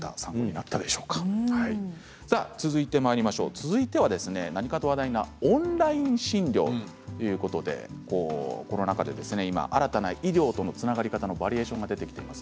続いては何かと話題なオンライン診療ということでコロナ禍で今新たな医療とのつながり方のバリエーションが出てきています。